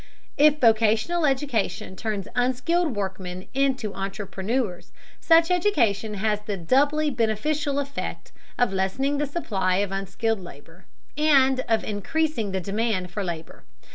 If vocational education turns unskilled workmen into entrepreneurs, such education has the doubly beneficial effect of lessening the supply of unskilled labor, and of increasing the demand for labor.